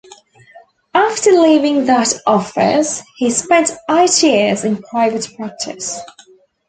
After leaving that office, he spent eight years in private practice.